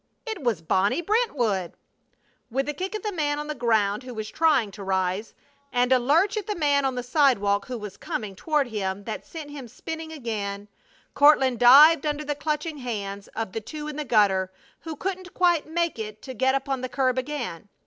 It was Bonnie Brentwood! With a kick at the man on the ground who was trying to rise, and a lurch at the man on the sidewalk who was coming toward him that sent him spinning again, Courtland dived under the clutching hands of the two in the gutter who couldn't quite make it to get upon the curb again.